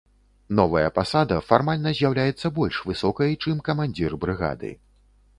Новая пасада фармальна з'яўляецца больш высокай, чым камандзір брыгады.